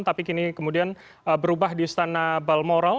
tapi kini kemudian berubah di istana balmoral